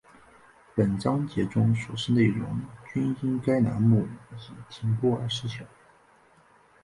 本章节中所示内容均因该栏目已停播而失效